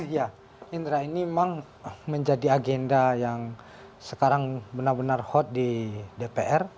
ya indra ini memang menjadi agenda yang sekarang benar benar hot di dpr